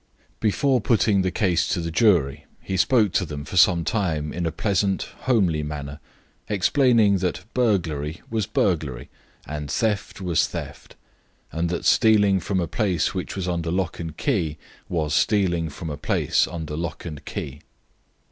Before putting the case to the jury, he spoke to them for some time in a pleasant, homely manner, explaining that burglary was burglary and theft was theft, and that stealing from a place which was under lock and key was stealing from a place under lock and key.